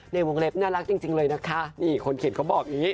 ในวงเล็บน่ารักจริงเลยนะคะนี่คนเขียนเขาบอกอย่างนี้